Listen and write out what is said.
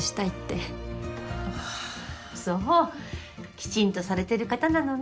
きちんとされてる方なのね。